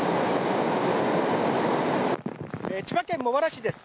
千葉県茂原市です。